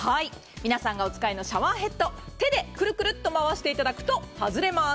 皆さんがお使いのシャワーヘッド、手でくるくると回していただくと外れます。